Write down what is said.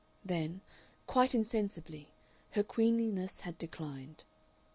Then, quite insensibly, her queenliness had declined.